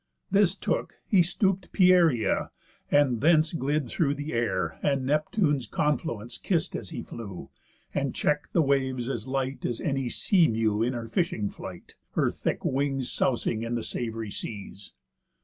This took; he stoop'd Pieria, and thence Glid through the air, and Neptune's confluence Kiss'd as he flew, and check'd the waves as light As any sea mew in her fishing flight, Her thick wings sousing in the savory seas.